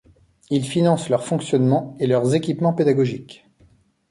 Il finance leur fonctionnement et leurs équipements pédagogiques.